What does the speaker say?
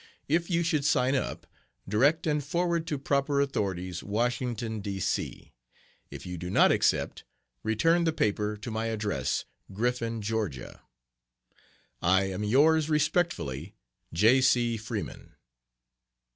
If you should sign up, direct and forward to proper authorities, Washington, D. C. If you do not accept, return the paper to my address, Griffin, Ga. I am yours very respectfully, J. C. FREEMAN.